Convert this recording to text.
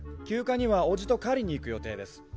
休暇にはおじと狩りに行く予定です